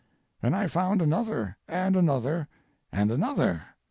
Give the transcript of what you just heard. And I found another and another and another.